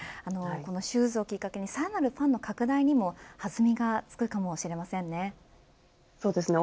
シューズをきっかけにさらなるファンの拡大にも弾みがつくかもしれませんね。